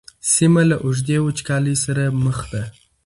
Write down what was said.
سیمه له اوږدې وچکالۍ سره مخ ده.